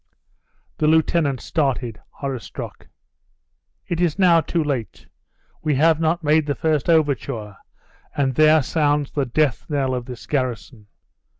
The lieutenant started, horror struck. "It is now too late! We have not made the first overture, and there sounds the death bell of this garrison!